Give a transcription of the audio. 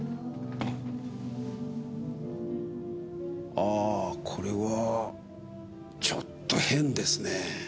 ああこれはちょっと変ですねぇ。